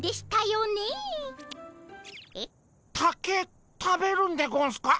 竹食べるんでゴンスか？